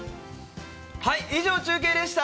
はい以上中継でした！